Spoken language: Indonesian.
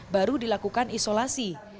baru dilakukan isolasi